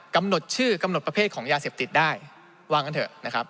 กำหนดชื่อกำหนดประเภทของยาเสพติดได้ว่ากันเถอะนะครับ